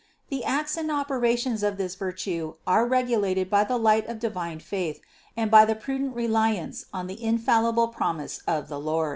The acts and operations of this virtue are regulated by the light of divine faith and by the prudent reliance on the infallible promise of the Lord.